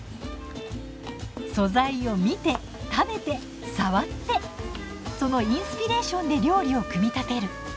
素材を見て食べて触ってそのインスピレーションで料理を組み立てる。